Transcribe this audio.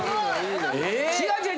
違う違う。